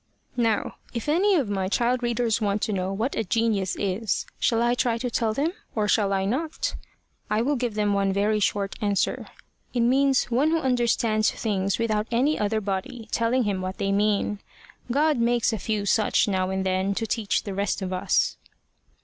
Now if any of my child readers want to know what a genius is shall I try to tell them, or shall I not? I will give them one very short answer: it means one who understands things without any other body telling him what they mean. God makes a few such now and then to teach the rest of us.